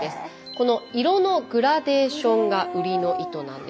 この色のグラデーションが売りの糸なんです。